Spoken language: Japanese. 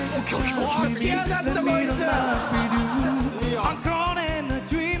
開けやがったこいつ。